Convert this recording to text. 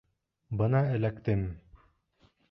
Бына эләктем!..